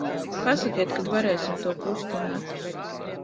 Pasakiet, kad varēsim to kustināt.